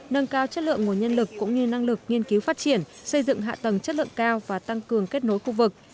nâng cao chất lượng nguồn nhân lực cũng như năng lực nghiên cứu phát triển xây dựng hạ tầng chất lượng cao và tăng cường kết nối khu vực